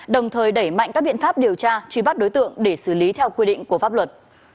đồng thời đẩy mạnh các biện pháp điều tra truy bắt đối tượng để xử lý theo quy định của pháp luật